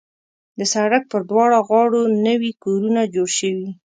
د سړک پر دواړه غاړو نوي کورونه جوړ شوي.